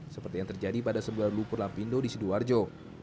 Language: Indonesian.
seperti yang terjadi pada semburan lumpur lapindo di sidoarjo